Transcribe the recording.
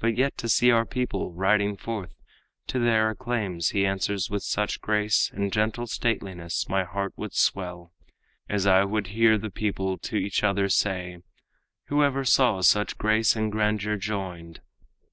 But yet to see our people, riding forth, To their acclaims he answers with such grace And gentle stateliness, my heart would swell As I would hear the people to each other say; 'Who ever saw such grace and grandeur joined?'